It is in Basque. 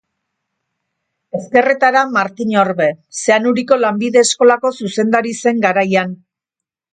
Ezkerretara, Martin Orbe, Zeanuriko lanbide eskolako zuzendari zen garaian.